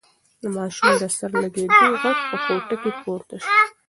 د ماشوم د سر د لگېدو غږ په کوټه کې پورته شو.